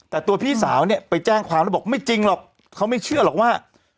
แต่ตัวพี่สาวเนี่ยไปแจ้งความแล้วบอกไม่จริงหรอกเขาไม่เชื่อหรอกว่า